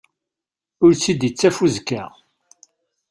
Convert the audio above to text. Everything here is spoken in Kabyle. Ur tt-id-ittaf uzekka.